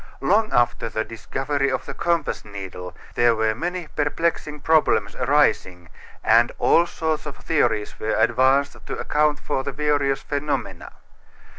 Long after the discovery of the compass needle there were many perplexing problems arising, and all sorts of theories were advanced to account for the various phenomena.